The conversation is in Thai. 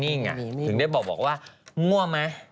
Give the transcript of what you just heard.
นี่ไงถึงได้บอกว่าง่วงไหม